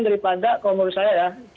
daripada kalau menurut saya ya